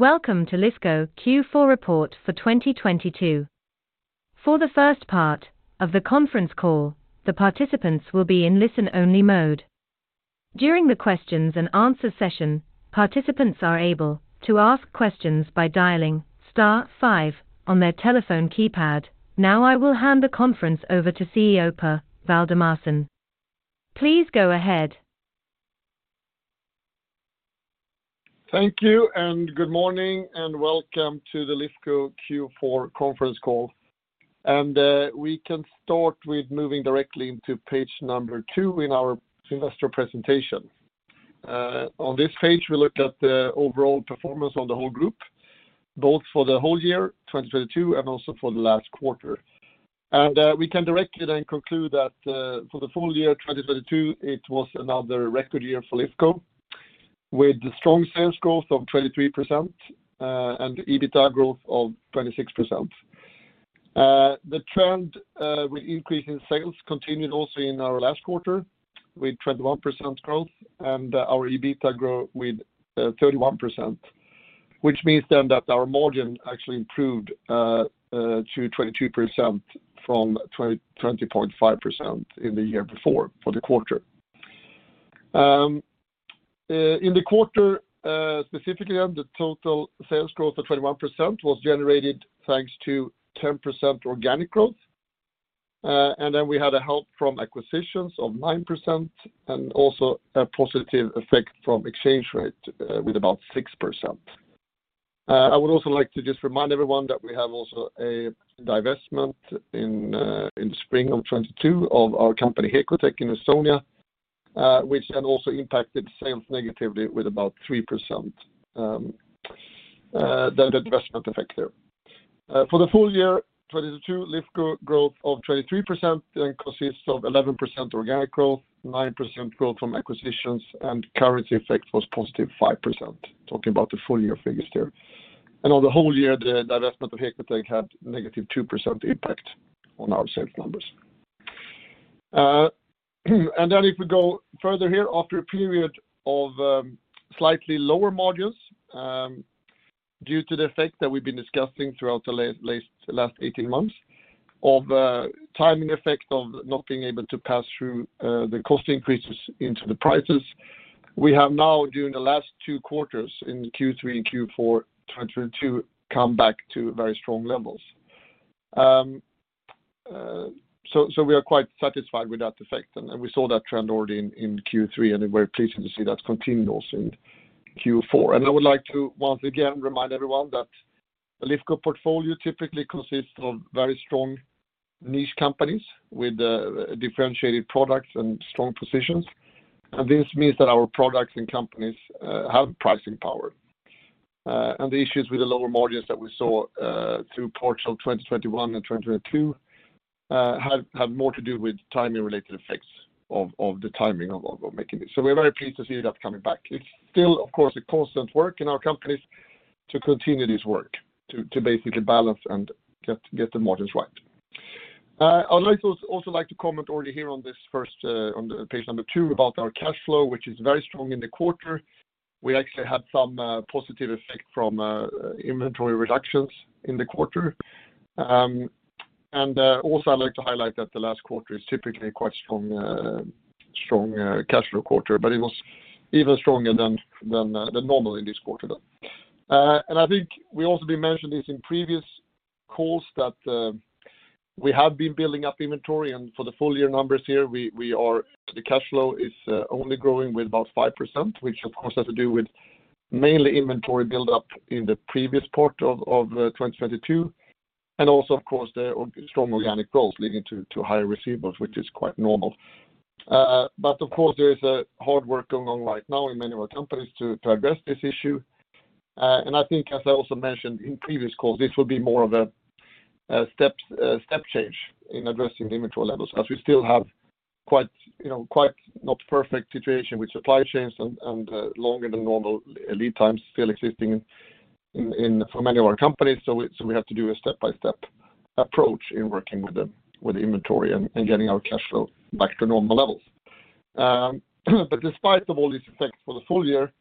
Welcome to Lifco Q4 report for 2022. For the first part of the conference call, the participants will be in listen-only mode. During the questions and answer session, participants are able to ask questions by dialing star five on their telephone keypad. Now I will hand the conference over to CEO Per Waldemarson. Please go ahead. Thank you, good morning, and welcome to the Lifco Q4 conference call. We can start with moving directly into page number two in our financial presentation. On this page, we look at the overall performance on the whole group, both for the whole year 2022 and also for the last quarter. We can directly then conclude that for the full year 2022, it was another record year for Lifco, with strong sales growth of 23%, and EBITDA growth of 26%. The trend with increase in sales continued also in our last quarter with 21% growth and our EBITDA growth with 31%, which means then that our margin actually improved to 22% from 20.5% in the year before for the quarter. In the quarter, specifically on the total sales growth of 21% was generated thanks to 10% organic growth. We had a help from acquisitions of 9% and also a positive effect from exchange rate with about 6%. I would also like to just remind everyone that we have also a divestment in spring of 2022 of our company, Hekotek in Estonia, which then also impacted sales negatively with about 3%, the divestment effect there. For the full year 2022, Lifco growth of 23% then consists of 11% organic growth, 9% growth from acquisitions, currency effect was positive 5%, talking about the full year figures there. On the whole year, the divestment of Hekotek had negative 2% impact on our sales numbers. If we go further here, after a period of slightly lower margins, due to the effect that we've been discussing throughout the last 18 months of timing effect of not being able to pass through the cost increases into the prices. We have now during the last two quarters in Q3 and Q4 2022, come back to very strong levels. We are quite satisfied with that effect. We saw that trend already in Q3, and we're pleased to see that continue also in Q4. I would like to once again remind everyone that the Lifco portfolio typically consists of very strong niche companies with differentiated products and strong positions. This means that our products and companies have pricing power. The issues with the lower margins that we saw through parts of 2021 and 2022, have more to do with timing related effects of the timing of our making it. We're very pleased to see that coming back. It's still, of course, a constant work in our companies to continue this work to basically balance and get the margins right. I'd like to also like to comment already here on this first on the page number two about our cash flow, which is very strong in the quarter. We actually had some positive effect from inventory reductions in the quarter. Also I'd like to highlight that the last quarter is typically quite strong cash flow quarter, but it was even stronger than normal in this quarter, though. I think we also mentioned this in previous calls that we have been building up inventory. For the full year numbers here, the cash flow is only growing with about 5%, which of course has to do with mainly inventory buildup in the previous part of 2022. Also of course, the strong organic growth leading to higher receivables, which is quite normal. Of course, there is a hard work going on right now in many of our companies to address this issue. I think as I also mentioned in previous calls, this will be more of a step change in addressing the inventory levels as we still have quite, you know, quite not perfect situation with supply chains and, longer than normal lead times still existing in for many of our companies. We have to do a step-by-step approach in working with the inventory and getting our cash flow back to normal levels. Despite of all these effects for the full year,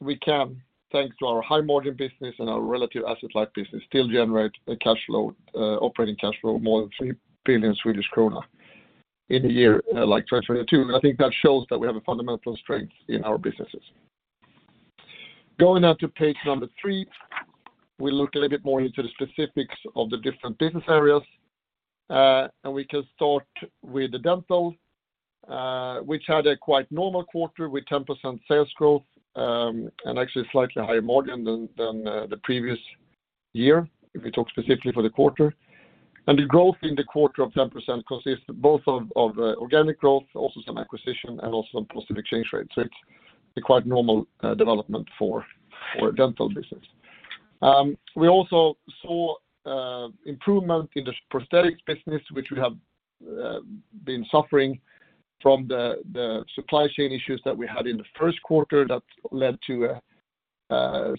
we can, thanks to our high margin business and our relative asset light business, still generate a cash flow, operating cash flow more than 3 billion Swedish kronor in a year, like 2022. I think that shows that we have a fundamental strength in our businesses. Going now to page number three, we look a little bit more into the specifics of the different business areas. We can start with the dental, which had a quite normal quarter with 10% sales growth, and actually a slightly higher margin than the previous year, if we talk specifically for the quarter. The growth in the quarter of 10% consists both of organic growth, also some acquisition and also some positive exchange rate. It's a quite normal development for our dental business. We also saw improvement in the prosthetics business, which we have been suffering from the supply chain issues that we had in the Q1 that led to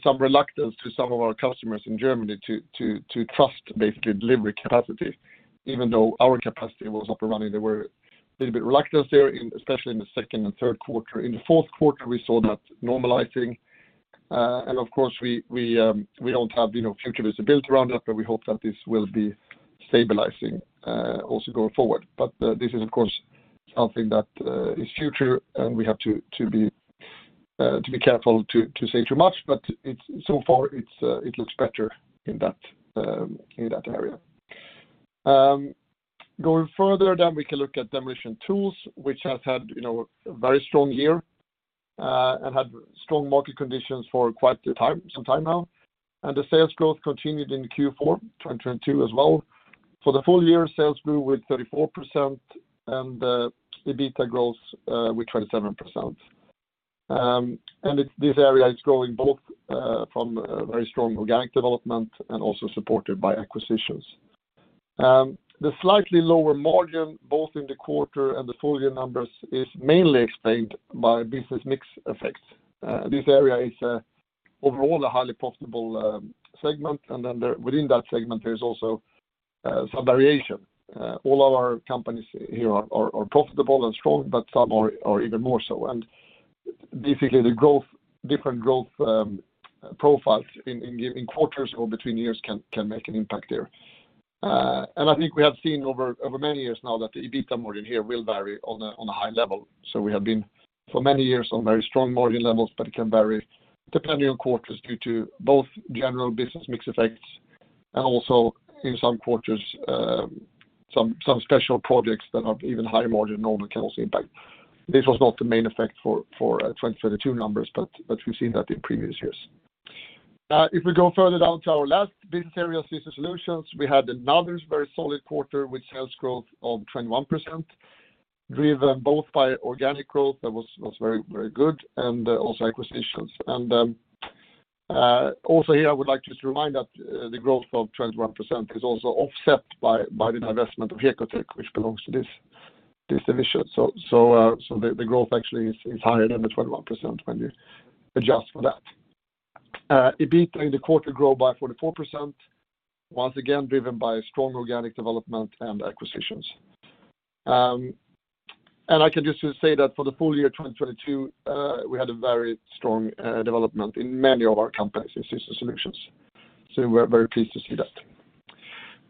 some reluctance to some of our customers in Germany to trust basically delivery capacity. Even though our capacity was up and running, there were little bit reluctance there in, especially in the second and Q3. In the Q4, we saw that normalizing. Of course, we don't have, you know, future visibility around that, but we hope that this will be stabilizing also going forward. This is of course, something that is future, and we have to be careful to say too much. So far, it looks better in that area. Going further, we can look at Demolition & Tools, which has had, you know, a very strong year, and had strong market conditions for quite a time, some time now. The sales growth continued in Q4 2022 as well. For the full year, sales grew with 34% and the EBITDA growth with 27%. This area is growing both from a very strong organic development and also supported by acquisitions. The slightly lower margin, both in the quarter and the full year numbers, is mainly explained by business mix effects. This area is overall a highly profitable segment. Within that segment, there is also some variation. All our companies here are profitable and strong, but some are even more so. Basically, the different growth profiles in giving quarters or between years can make an impact there. I think we have seen over many years now that the EBITDA margin here will vary on a high level. We have been, for many years, on very strong margin levels, but it can vary depending on quarters due to both general business mix effects and also in some quarters, some special projects that have even higher margin than normal can also impact. This was not the main effect for 2022 numbers, but we've seen that in previous years. If we go further down to our last business area, Systems Solutions, we had another very solid quarter with sales growth of 21%, driven both by organic growth that was very, very good and also acquisitions. Also here, I would like just to remind that the growth of 21% is also offset by the divestment of Hekotek, which belongs to this division. The growth actually is higher than the 21% when you adjust for that. EBITDA in the quarter grow by 44%, once again driven by strong organic development and acquisitions. I can just say that for the full year 2022, we had a very strong development in many of our companies in Systems Solutions. We're very pleased to see that.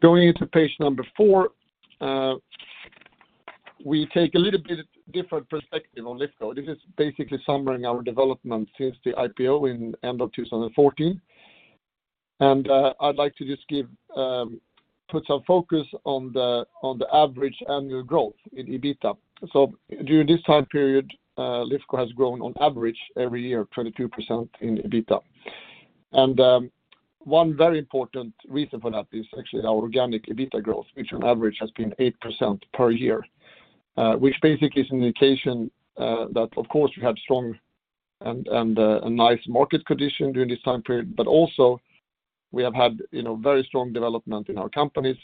Going into page number four, we take a little bit different perspective on Lifco. This is basically summarizing our development since the IPO in end of 2014. I'd like to just give put some focus on the average annual growth in EBITDA. During this time period, Lifco has grown on average every year, 22% in EBITDA. One very important reason for that is actually our organic EBITDA growth, which on average has been 8% per year, which basically is an indication that of course, we had strong and a nice market condition during this time period. Also we have had, you know, very strong development in our companies,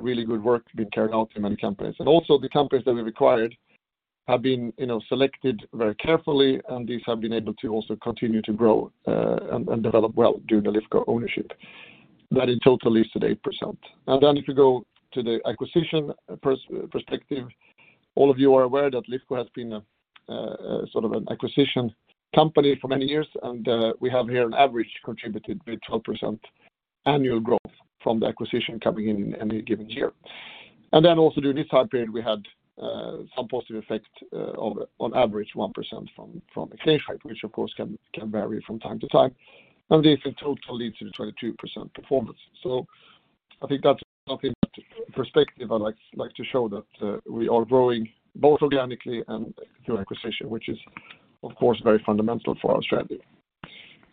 really good work being carried out in many companies. Also, the companies that we acquired have been, you know, selected very carefully, and these have been able to also continue to grow and develop well during the Lifco ownership. That in total leads to the 8%. If you go to the acquisition perspective, all of you are aware that Lifco has been a sort of an acquisition company for many years. We have here an average contributed with 12% annual growth from the acquisition coming in any given year. Also during this time period, we had some positive effect of on average 1% from exchange rate, which of course can vary from time to time. This in total leads to the 22% performance. I think that's something that perspective I'd like to show that we are growing both organically and through acquisition, which is of course, very fundamental for our strategy.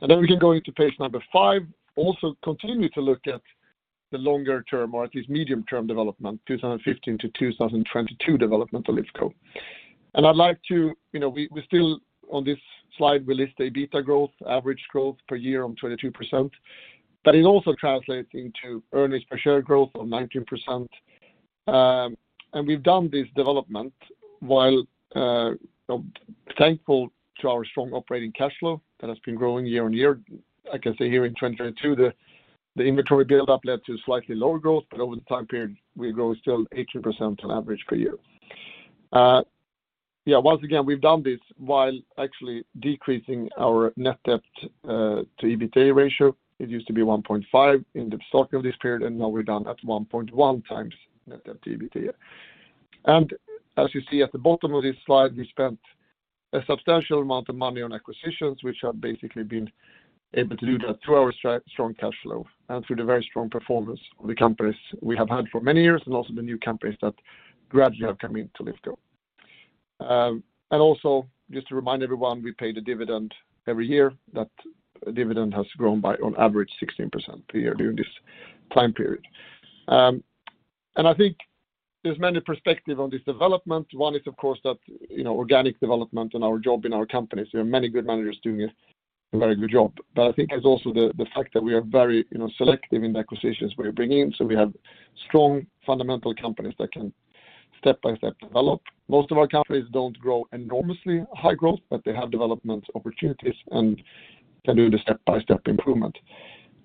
Then we can go into page number five, also continue to look at the longer-term or at least medium-term development, 2015 to 2022 development for Lifco. I'd like to you know, we still on this slide, we list the EBITDA growth, average growth per year on 22%. It also translates into earnings per share growth of 19%. We've done this development while thankful to our strong operating cash flow that has been growing year-on-year. I can say here in 2022, the inventory buildup led to slightly lower growth, but over the time period, we grow still 18% on average per year. Yeah, once again, we've done this while actually decreasing our net debt to EBITDA ratio. It used to be 1.5 in the start of this period, and now we're down at 1.1x net debt to EBITDA. As you see at the bottom of this slide, we spent a substantial amount of money on acquisitions, which have basically been able to do that through our strong cash flow and through the very strong performance of the companies we have had for many years and also the new companies that gradually have come into Lifco. Just to remind everyone, we pay the dividend every year. That dividend has grown by on average 16% per year during this time period. I think there's many perspective on this development. One is, of course, that, you know, organic development in our job, in our companies. There are many good managers doing a very good job. I think it's also the fact that we are very, you know, selective in the acquisitions we're bringing in. We have strong fundamental companies that can step-by-step develop. Most of our companies don't grow enormously high growth, but they have development opportunities and can do the step-by-step improvement.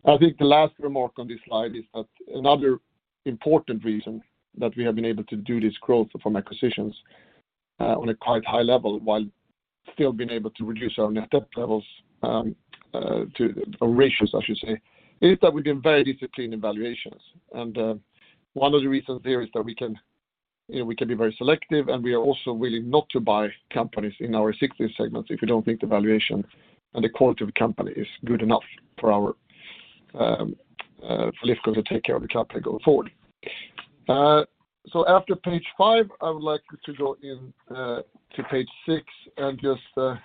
I think the last remark on this slide is that another important reason that we have been able to do this growth from acquisitions, on a quite high level while still being able to reduce our net debt levels, or ratios, I should say, is that we've been very disciplined in valuations. One of the reasons there is that we can, you know, we can be very selective, and we are also willing not to buy companies in our existing segments if we don't think the valuation and the quality of the company is good enough for our, for Lifco to take care of the company going forward. After page five, I would like to go in to page six and just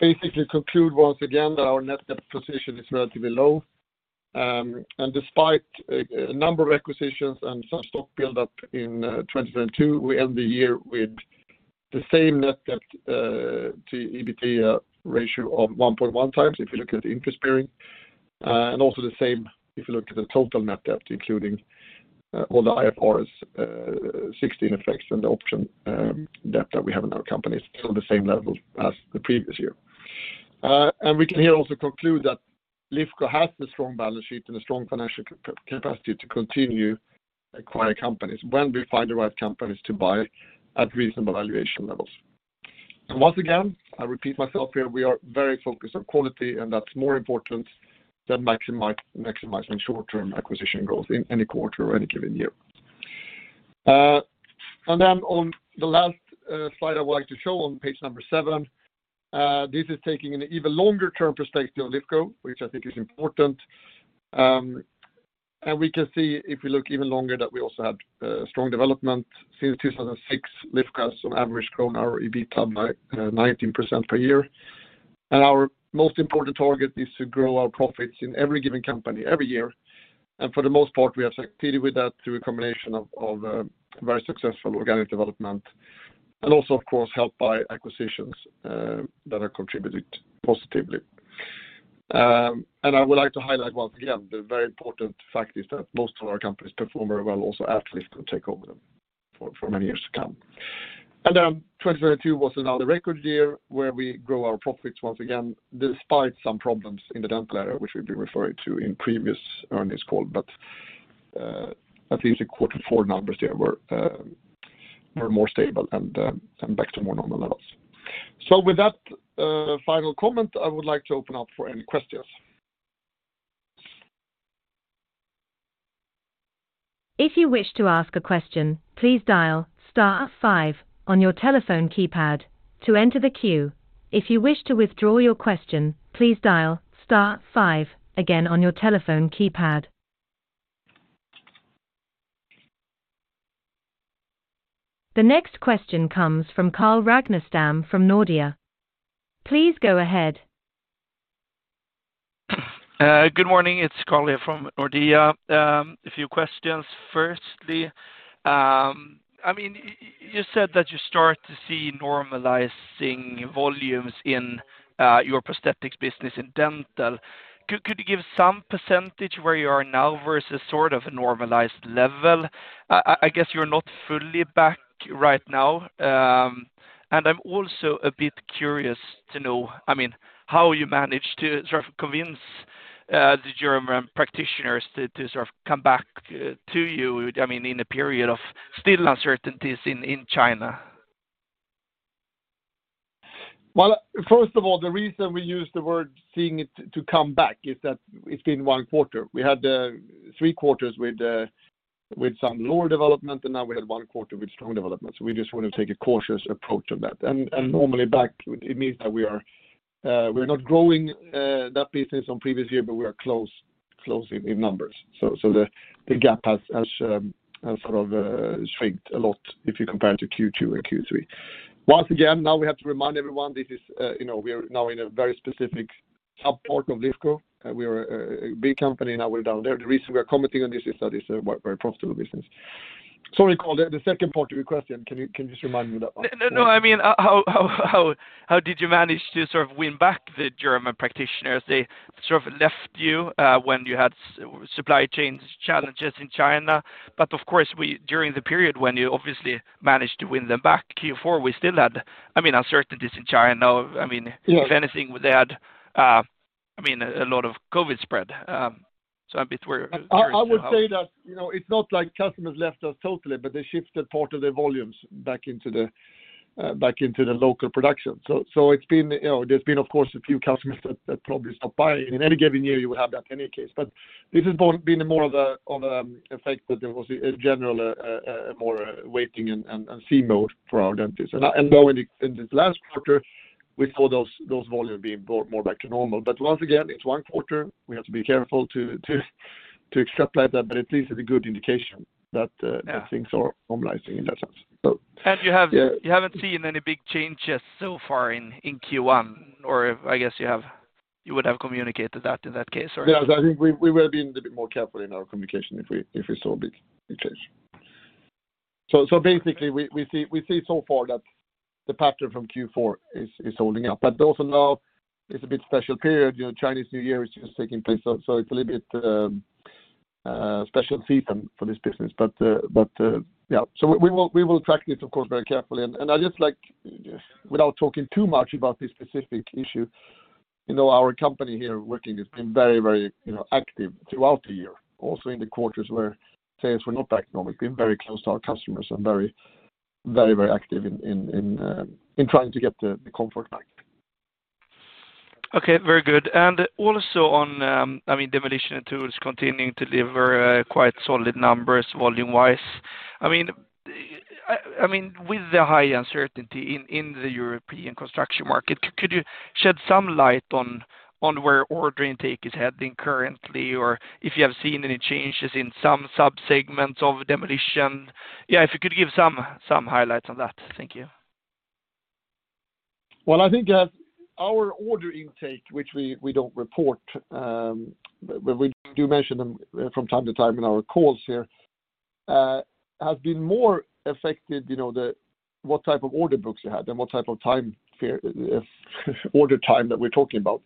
basically conclude once again that our net debt position is relatively low. Despite a number of acquisitions and some stock buildup in 2022, we end the year with the same net debt to EBIT ratio of 1.1x if you look at the interest bearing. Also the same if you look at the total net debt, including all the IFRS 16 effects and the option debt that we have in our company is still the same level as the previous year. We can here also conclude that Lifco has the strong balance sheet and a strong financial capacity to continue acquire companies when we find the right companies to buy at reasonable valuation levels. Once again, I repeat myself here, we are very focused on quality, and that's more important than maximizing short-term acquisition goals in any quarter or any given year. Then on the last slide I would like to show on page seven, this is taking an even longer-term perspective of Lifco, which I think is important. We can see if we look even longer that we also had strong development. Since 2006, Lifco has on average grown our EBITDA by 19% per year. Our most important target is to grow our profits in every given company every year. For the most part, we have succeeded with that through a combination of very successful organic development and also of course helped by acquisitions that have contributed positively. I would like to highlight once again, the very important fact is that most of our companies perform very well also after we take over them for many years to come. 2022 was another record year where we grow our profits once again despite some problems in the dental area, which we've been referring to in previous earnings call. At least the quarter four numbers there were more stable and back to more normal levels. With that, final comment, I would like to open up for any questions. If you wish to ask a question, please dial star five on your telephone keypad to enter the queue. If you wish to withdraw your question, please dial star five again on your telephone keypad. The next question comes from Carl Ragnerstam from Nordea. Please go ahead. Good morning. It's Carl here from Nordea. A few questions. Firstly, I mean, you said that you start to see normalizing volumes in your prosthetics business in dental. Could you give some percentage where you are now versus sort of a normalized level? I guess you're not fully back right now. I'm also a bit curious to know, I mean, how you managed to sort of convince the German practitioners to sort of come back to you, I mean, in a period of still uncertainties in China? Well, first of all, the reason we use the word seeing it to come back is that it's been one quarter. We had three quarters with some lower development, now we had one quarter with strong development. We just want to take a cautious approach on that. Normally back, it means that we are not growing that business on previous year, but we are close in numbers. The gap has sort of shrinked a lot if you compare it to Q2 and Q3. Once again, now we have to remind everyone this is, you know, we are now in a very specific sub-part of Lifco. We are a big company, now we're down there. The reason we are commenting on this is that it's a very profitable business. Sorry, Carl, the second part of your question, can you just remind me that? No, no. I mean, how did you manage to sort of win back the German practitioners? They sort of left you when you had supply chains challenges in China. Of course, during the period when you obviously managed to win them back, Q4, we still had, I mean, uncertainties in China. Yes. If anything, they had, I mean, a lot of COVID spread. I'm a bit curious to. I would say that, you know, it's not like customers left us totally, but they shifted part of their volumes back into the back into the local production. It's been, you know, there's been of course a few customers that probably stopped buying. In any given year, you would have that in any case. This has been more of a, on a effect that there was a general, a more waiting and see mode for our dentists. Now in this last quarter, we saw those volumes being brought more back to normal. Once again, it's one quarter. We have to be careful to extrapolate that, but at least it's a good indication that. Yeah. That things are normalizing in that sense. And you have. Yeah. You haven't seen any big changes so far in Q1, or I guess you have. You would have communicated that in that case, or? Yes. I think we will be a little bit more careful in our communication if we saw a big change. Basically we see so far that the pattern from Q4 is holding up. Also now it's a bit special period. You know, Chinese New Year is just taking place, so it's a little bit special season for this business. Yeah. We will track this of course very carefully. I just like, without talking too much about this specific issue, you know, our company here working has been very, you know, active throughout the year, also in the quarters where sales were not that normal. We've been very close to our customers and very active in trying to get the comfort back. Okay. Very good. Also on, I mean, Demolition & Tools continuing to deliver quite solid numbers volume-wise. I mean, with the high uncertainty in the European construction market, could you shed some light on where order intake is heading currently? If you have seen any changes in some sub-segments of Demolition & Tools? If you could give some highlights on that. Thank you. Well, I think, our order intake, which we don't report, but we do mention them, from time to time in our calls here, has been more affected, you know, what type of order books you had and what type of time frame, order time that we're talking about.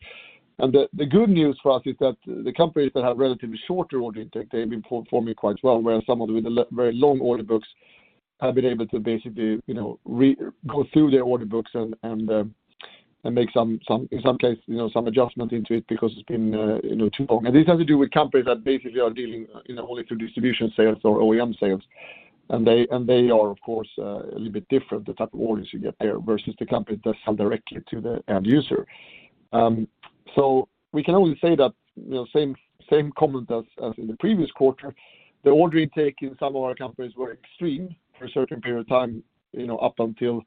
The, the good news for us is that the companies that have relatively shorter order intake, they've been performing quite well, whereas some of them with very long order books have been able to basically, you know, re-go through their order books and make some, in some cases, you know, some adjustment into it because it's been, you know, too long. This has to do with companies that basically are dealing, you know, only through distribution sales or OEM sales. They, and they are of course, a little bit different, the type of orders you get there versus the company that sell directly to the end user. We can only say that, you know, same comment as in the previous quarter, the order intake in some of our companies were extreme for a certain period of time, you know, up until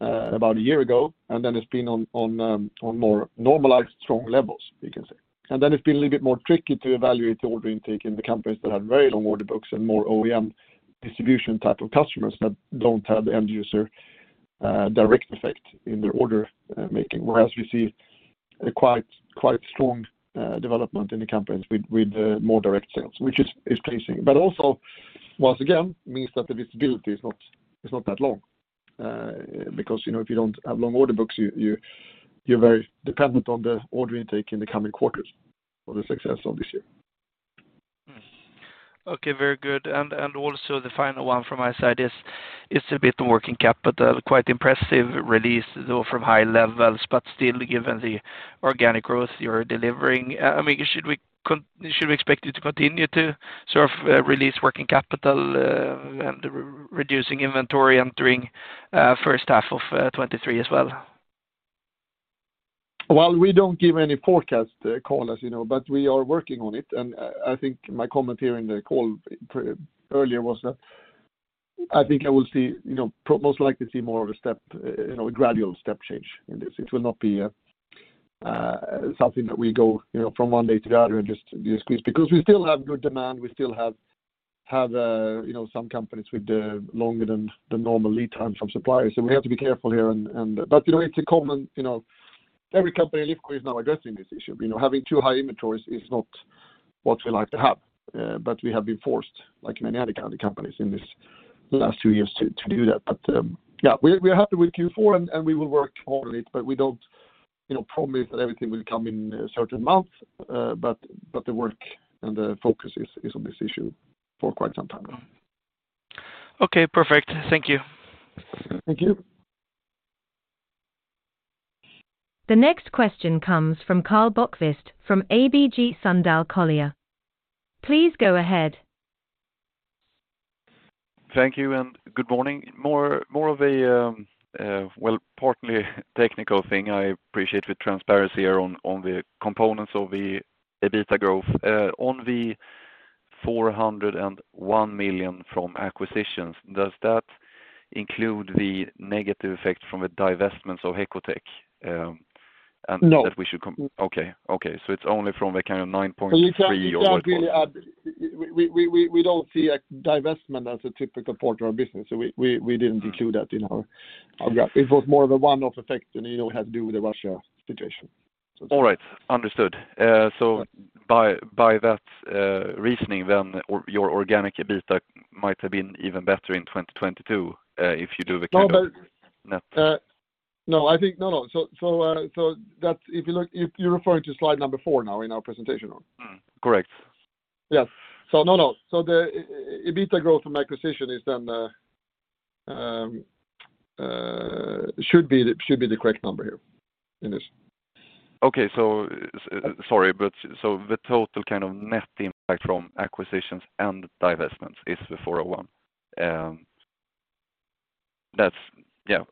about a year ago. Then it's been on more normalized strong levels, we can say. Then it's been a little bit more tricky to evaluate the order intake in the companies that had very long order books and more OEM distribution type of customers that don't have the end user, direct effect in their order making. We see a quite strong development in the companies with more direct sales, which is pleasing. Also, once again, means that the visibility is not that long, because, you know, if you don't have long order books, you're very dependent on the order intake in the coming quarters for the success of this year. Okay. Very good. Also the final one from my side is, it's a bit working capital, quite impressive release, though from high levels, but still given the organic growth you're delivering, I mean, should we expect you to continue to sort of, release working capital, and reducing inventory entering, H1 of 2023 as well? Well, we don't give any forecast call, as you know, we are working on it. I think my comment here in the call earlier was that I think I will see, you know, most likely see more of a step, you know, a gradual step change in this. It will not be something that we go, you know, from one day to the other and just squeeze. We still have good demand, we still have, you know, some companies with the longer than the normal lead time from suppliers. We have to be careful here. You know, it's a common, you know, every company in Lifco is now addressing this issue. You know, having too high inventories is not what we like to have. We have been forced, like many other kind of companies in this last few years to do that. Yeah, we are happy with Q4 and we will work more on it, but we don't, you know, promise that everything will come in a certain month. The work and the focus is on this issue for quite some time now. Okay, perfect. Thank you. Thank you. The next question comes from Karl Bokvist from ABG Sundal Collier. Please go ahead. Thank you and good morning. More of a, well, partly technical thing I appreciate with transparency here on the components of the EBITDA growth. On the 401 million from acquisitions, does that include the negative effect from the divestments of Hekotek? No. That we should Okay. It's only from the kind of 9.3. Exactly. We don't see a divestment as a typical part of our business. We didn't include that in our graph. It was more of a one-off effect and, you know, had to do with the Russia situation. All right. Understood. By that reasoning, then or your organic EBITDA might have been even better in 2022, if you do the kind of. No. Net. No, I think. No. If you're referring to slide number four now in our presentation. Mm. Correct. Yes. No. The EBITDA growth from acquisition is then, should be the correct number here in this. Okay. sorry, but so the total kind of net impact from acquisitions and divestments is 401. That's, yeah.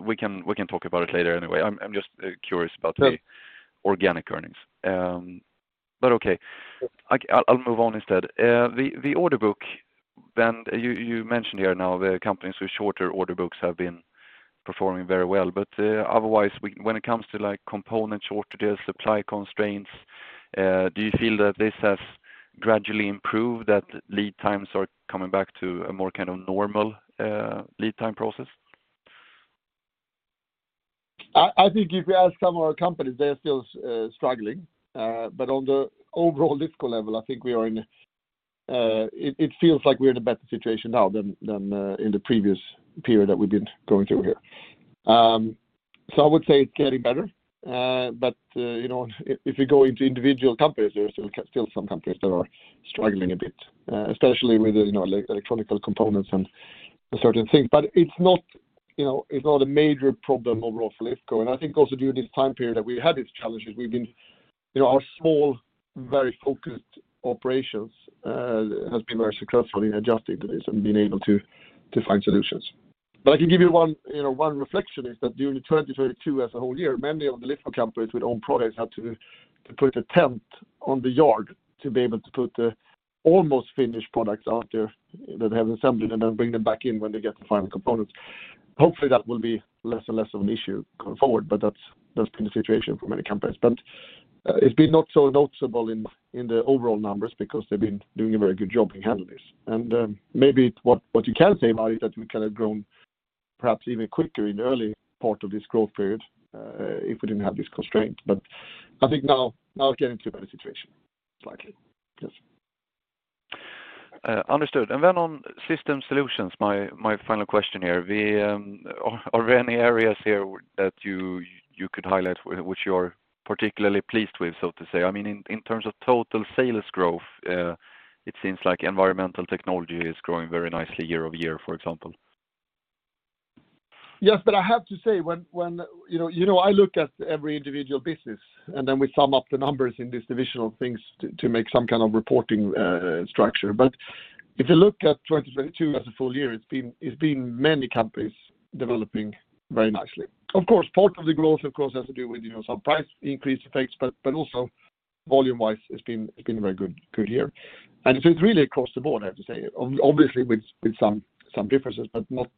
We can talk about it later anyway. I'm just curious about the. Yeah. Organic earnings. Okay. I'll move on instead. The order book then you mentioned here now the companies with shorter order books have been performing very well. Otherwise, when it comes to like component shortages, supply constraints, do you feel that this has gradually improved, that lead times are coming back to a more kind of normal, lead time process? I think if you ask some of our companies, they're still struggling. On the overall Lifco level, I think we are in a better situation now than in the previous period that we've been going through here. I would say it's getting better. You know, if you go into individual companies, there's still some companies that are struggling a bit, especially with, you know, electronic components and certain things. It's not, you know, a major problem overall for Lifco. I think also during this time period that we had these challenges, we've been, you know, our small, very focused operations has been very successful in adjusting to this and being able to find solutions. I can give you one, you know, one reflection is that during the 2022 as a whole year, many of the Lifco companies with own products had to put a tent on the yard to be able to put the almost finished products out there that they have assembled, and then bring them back in when they get the final components. Hopefully, that will be less and less of an issue going forward, but that's been the situation for many companies. It's been not so noticeable in the overall numbers because they've been doing a very good job in handling this. Maybe what you can say about it is that we could have grown perhaps even quicker in the early part of this growth period, if we didn't have this constraint. I think now we're getting to a better situation slightly. Yes. Understood. Then on Systems Solutions, my final question here. Are there any areas here that you could highlight which you're particularly pleased with, so to say? I mean, in terms of total sales growth, it seems like environmental technology is growing very nicely year-over-year, for example. Yes. I have to say when you know, I look at every individual business, and then we sum up the numbers in these divisional things to make some kind of reporting structure. If you look at 2022 as a full year, it's been many companies developing very nicely. Of course, part of the growth, of course, has to do with, you know, some price increase effects, but also volume-wise, it's been a very good year. It's really across the board, I have to say. Obviously, with some differences, but not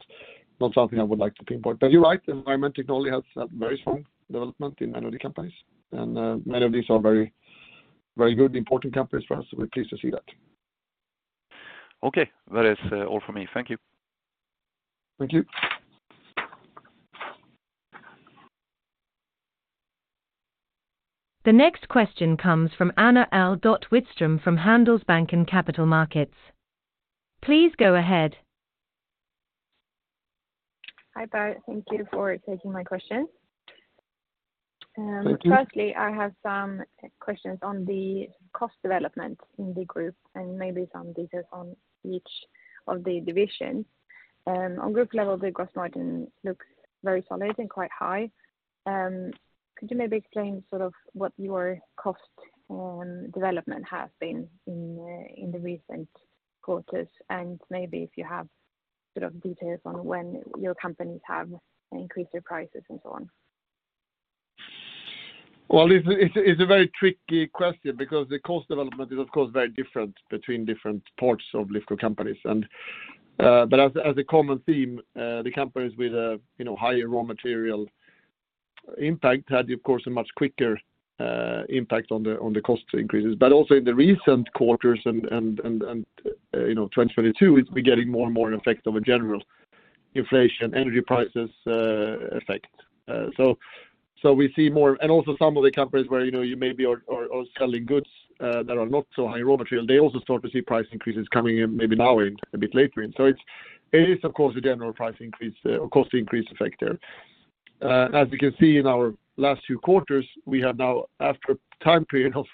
something I would like to pinpoint. You're right, environmental technology has had very strong development in many of the companies, and many of these are very good important companies for us, so we're pleased to see that. Okay. That is all for me. Thank you. Thank you. The next question comes from Zino Engdalen Ricciuti from Handelsbanken Capital Markets. Please go ahead. Hi, Per. Thank you for taking my question. Thank you. Firstly, I have some questions on the cost development in the group and maybe some details on each of the divisions. On group level, the gross margin looks very solid and quite high. Could you maybe explain sort of what your cost on development has been in the recent quarters, and maybe if you have sort of details on when your companies have increased their prices and so on? Well, it's a very tricky question because the cost development is of course very different between different parts of Lifco companies and. As a common theme, the companies with a, you know, higher raw material impact had, of course, a much quicker impact on the cost increases. Also in the recent quarters and, you know, 2022, it's been getting more and more an effect of a general inflation, energy prices effect. So we see more. Also some of the companies where, you know, you maybe are selling goods that are not so high raw material, they also start to see price increases coming in maybe now, a bit later in. It's, it is of course a general price increase or cost increase effect there. As you can see in our last two quarters, we have now, after a time period of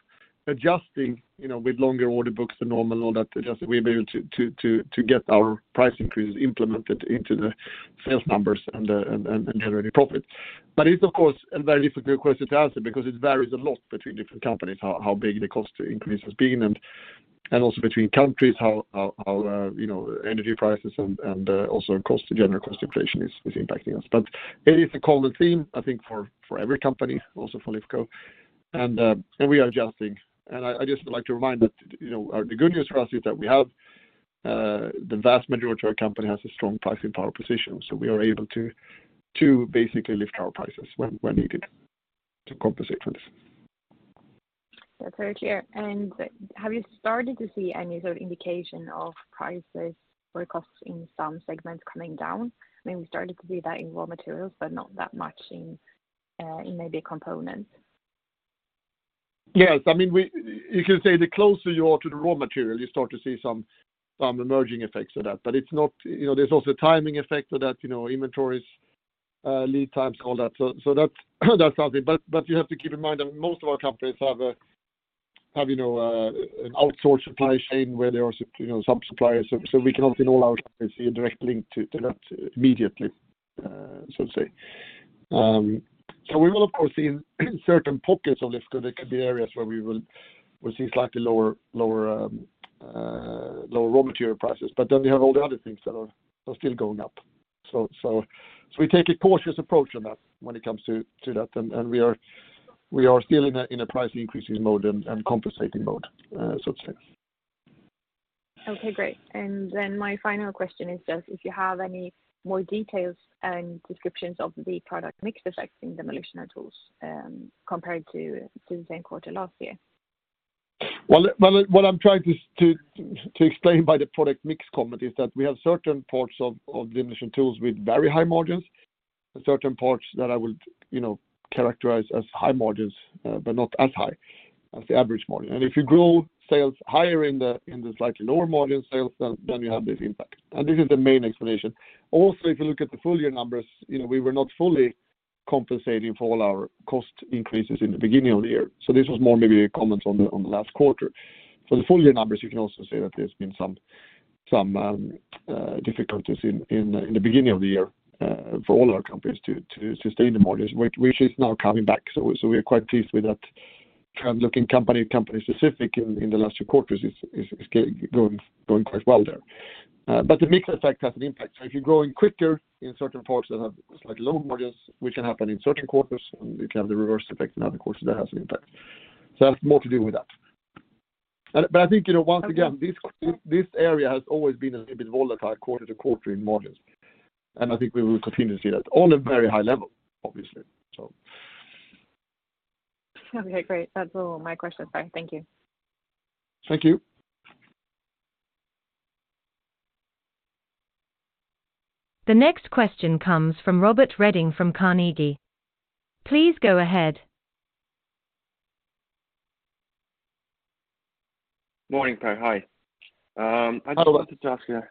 adjusting, you know, with longer order books than normal and all that, we've been able to get our price increases implemented into the sales numbers and generating profits. It's of course a very difficult question to answer because it varies a lot between different companies how big the cost increase has been and also between countries how, you know, energy prices and also cost, general cost inflation is impacting us. It is a common theme, I think, for every company, also for Lifco, and we are adjusting. I just would like to remind that, you know, the good news for us is that we have, the vast majority of our company has a strong pricing power position, so we are able to basically lift our prices when needed to compensate for this. That's very clear. Have you started to see any sort of indication of prices or costs in some segments coming down? I mean, we started to see that in raw materials, but not that much in maybe components. Yes. I mean, we. You can say the closer you are to the raw material, you start to see some emerging effects of that. It's not. You know, there's also a timing effect of that, you know, inventories, lead times, all that. That's something. You have to keep in mind that most of our companies have, you know, an outsourced supply chain where there are, you know, some suppliers. We cannot in all our companies see a direct link to that immediately, so to say. We will of course see in certain pockets of Lifco, there could be areas where we'll see slightly lower raw material prices. We have all the other things that are still going up. We take a cautious approach on that when it comes to that, and we are still in a price increasing mode and compensating mode, so to say. Okay, great. My final question is just if you have any more details and descriptions of the product mix effect in Demolition & Tools compared to the same quarter last year. Well, what I'm trying to explain by the product mix comment is that we have certain parts of Demolition & Tools with very high margins. Certain parts that I would, you know, characterize as high margins, but not as high as the average margin. If you grow sales higher in the slightly lower margin sales, then you have this impact. This is the main explanation. Also, if you look at the full year numbers, you know, we were not fully compensating for all our cost increases in the beginning of the year. This was more maybe a comment on the last quarter. For the full year numbers, you can also say that there's been some difficulties in the beginning of the year for all our companies to sustain the margins, which is now coming back. We're quite pleased with that kind of looking company specific in the last two quarters is going quite well there. The mix effect has an impact. If you're growing quicker in certain parts that have slightly lower margins, which can happen in certain quarters, and it can have the reverse effect in other quarters, that has an impact. That's more to do with that. I think, you know, once again, this area has always been a little bit volatile quarter to quarter in margins, and I think we will continue to see that all at very high level, obviously. Okay, great. That's all my questions are. Thank you. Thank you. The next question comes from Robert Redin from Carnegie. Please go ahead. Morning, Per. Hi. Hello. Wanted to ask you a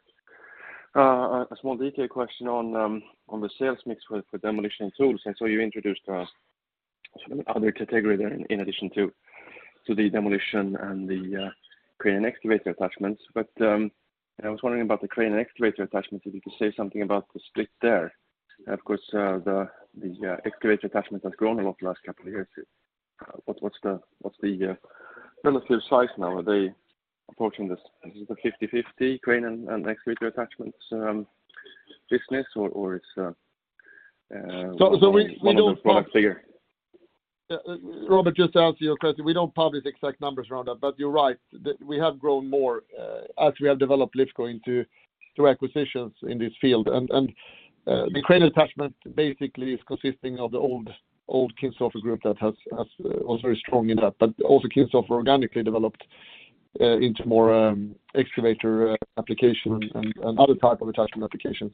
small detail question on the sales mix with the Demolition & Tools. I saw you introduced some other category there in addition to the Demolition & Tools and the crane and excavator attachments. I was wondering about the crane and excavator attachments, if you could say something about the split there. Of course, the excavator attachment has grown a lot the last couple of years. What's the relative size now? Are they approaching this? Is it a 50/50 crane and excavator attachments business, or it's? So, so we, we don't. One of the products bigger? Robert, just to answer your question, we don't publish exact numbers around that. You're right. We have grown more, as we have developed Lifco into, through acquisitions in this field. The crane attachment basically is consisting of the old Kindsäter group that has Was very strong in that. Also Kindsäter organically developed into more excavator application and other type of attachment applications.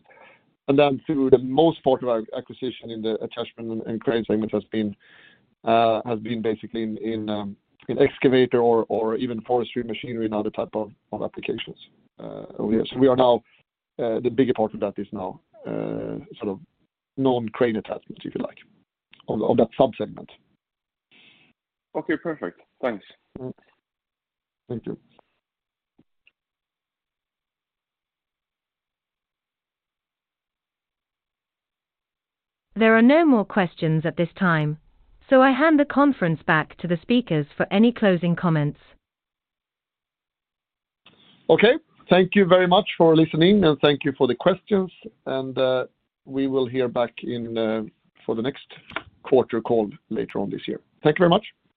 Through the most part of our acquisition in the attachment and crane segment has been basically in excavator or even forestry machinery and other type of applications. Yes, we are now, the bigger part of that is now, sort of non-crane attachments, if you like, on the, on that sub-segment. Okay, perfect. Thanks. Thank you. There are no more questions at this time, so I hand the conference back to the speakers for any closing comments. Okay. Thank you very much for listening, and thank you for the questions. We will hear back in for the next quarter call later on this year. Thank you very much.